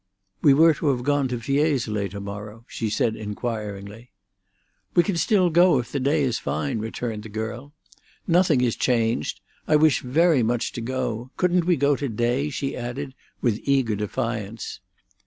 "We were to have gone to Fiesole to morrow," she said inquiringly. "We can still go if the day is fine," returned the girl. "Nothing is changed. I wish very much to go. Couldn't we go to day?" she added, with eager defiance.